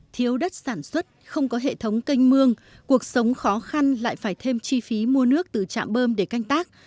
thiếu đất sản xuất không có hệ thống canh mương cuộc sống khó khăn lại phải thêm chi phí mua nước từ trạm bơm để canh tác